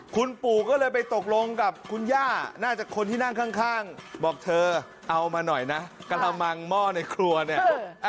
คุณปู่ก็เลยไปตกลงกับคุณย่าน่าจะคนที่นั่งข้างบอกเธอเอามาหน่อยนะกระมังหม้อในครัวเนี่ย